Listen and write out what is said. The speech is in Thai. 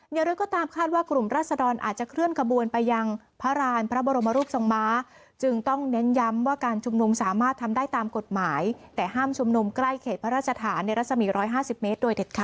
อย่างไรก็ตามคาดว่ากลุ่มรัศดรอาจจะเคลื่อนขบวนไปยังพระราณพระบรมรูปทรงม้าจึงต้องเน้นย้ำว่าการชุมนุมสามารถทำได้ตามกฎหมายแต่ห้ามชุมนุมใกล้เขตพระราชฐานในรัศมี๑๕๐เมตรโดยเด็ดขาด